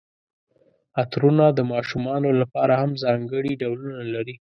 عطرونه د ماشومانو لپاره هم ځانګړي ډولونه لري.